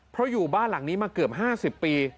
เพราะอยู่บ้านหลังนี้มาเกือบ๕๐ปี